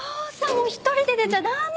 もう一人で出ちゃ駄目。